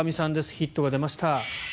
ヒットが出ました。